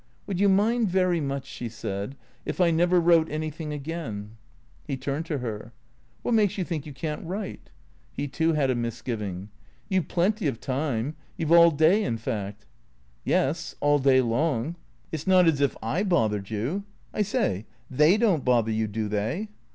" Would you mind very much," she said, " if I never wrote anything again ?" He turned to her. " \\niat makes you think you can't write ? (He too had a misgiving.) You 've plenty of time. You 've all day, in fact." " Yes, all day long." " It 's not as if / bothered you — I say, they don't bother you, do they?"